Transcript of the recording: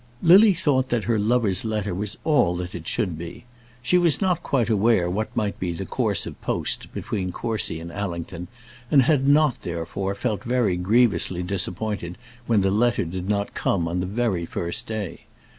Lily thought that her lover's letter was all that it should be. She was not quite aware what might be the course of post between Courcy and Allington, and had not, therefore, felt very grievously disappointed when the letter did not come on the very first day.